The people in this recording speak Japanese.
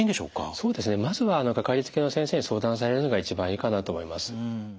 そうですねまずはかかりつけの先生に相談されるのが一番いいかなと思います。